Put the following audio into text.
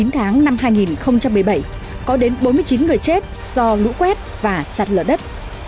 chín tháng năm hai nghìn một mươi bảy có đến bốn mươi chín người chết do lũ quét và sạt lở đất